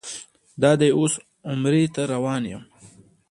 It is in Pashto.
دادی اوس عمرې ته روان یم.